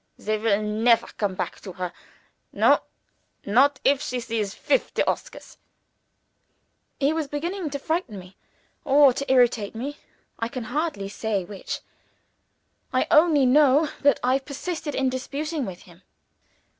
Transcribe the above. "They will never come back to her no, not if she sees fifty Oscars!" He was beginning to frighten me, or to irritate me I can hardly say which. I only know that I persisted in disputing with him.